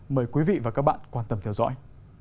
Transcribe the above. mời quý vị và các bạn quan tâm theo dõi